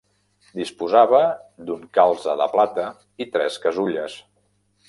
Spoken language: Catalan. Disposava d'un calze de plata i tres casulles.